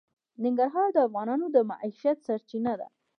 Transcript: ننګرهار د افغانانو د معیشت سرچینه ده.